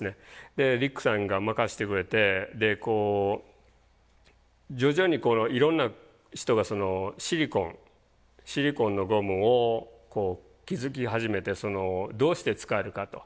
でリックさんが任せてくれてでこう徐々にいろんな人がシリコンのゴムを気付き始めてどうして使えるかと。